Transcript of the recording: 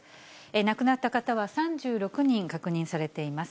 亡くなった方は３６人確認されています。